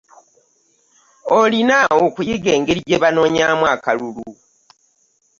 Olina okuyiga engeri gye banoonyaamu akalulu.